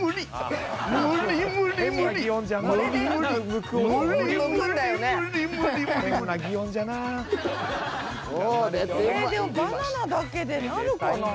えでもバナナだけでなるかな？